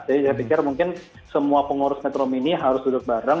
jadi saya pikir mungkin semua pengurus metro mini harus duduk bareng